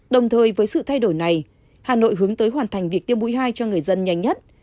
đồng thời với sự thay đổi này hà nội hướng tới hoàn thành việc tiêu búi hai cho người dân nhanh nhất